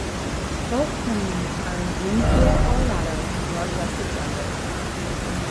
Both termini are in Broomfield, Colorado, northwest of Denver.